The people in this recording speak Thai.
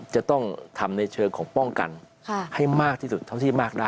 จะต้องทำในเชิงของป้องกันให้มากที่สุดเท่าที่มากได้